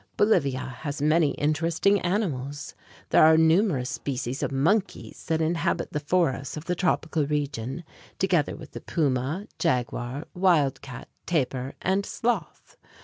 Bolivia has many interesting animals. There are numerous species of monkeys that inhabit the forests of the tropical region, together with the puma, jaguar, wild cat, tapir, and sloth.